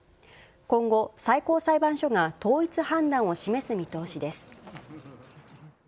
今後、最高裁判所が統一判断を示す見通しです。